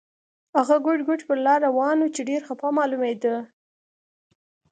هغه ګوډ ګوډ پر لار روان و چې ډېر خپه معلومېده.